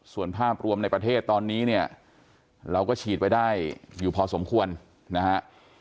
ส่วนภาพรวมในประเทศตอนนี้เนี่ยเราก็ฉีดไปได้อยู่พอสมควรนะฮะ